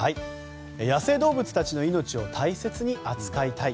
野生動物たちの命を大切に扱いたい。